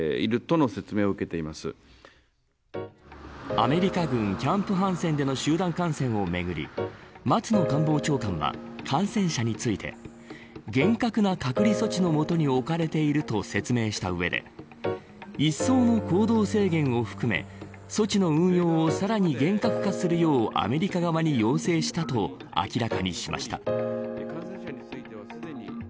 アメリカ軍キャンプ・ハンセンでの集団感染をめぐり松野官房長官は感染者について厳格な隔離措置のもとに置かれていると説明した上で一層の行動制限を含め措置の運用をさらに厳格化するようアメリカ側に要請したと明らかにしました。